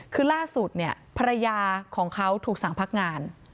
คือล่าสุดเนี่ยภรรยาของเขาถูกสั่งพักงาน